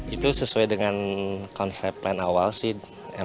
itu sesuai dengan konsep plan awal sih